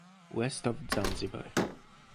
West of Zanzibar